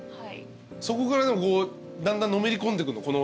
そこからこうだんだんのめり込んでいくの？